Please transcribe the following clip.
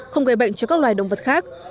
không gây bệnh cho các loài động vật khác